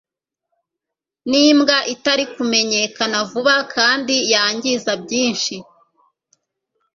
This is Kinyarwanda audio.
nimbwa itari kumenyekana vuba kandi yangiza byinshi.